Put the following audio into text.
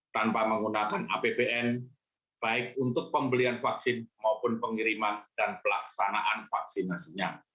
tanpa menggunakan apbn baik untuk pembelian vaksin maupun pengiriman dan pelaksanaan vaksinasinya